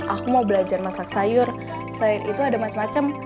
aku mau belajar masak sayur sayur itu ada macam macam